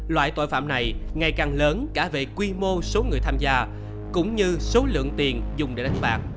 loại tội phạm này ngày càng lớn cả về quy mô số người tham gia cũng như số lượng tiền dùng để đánh bạc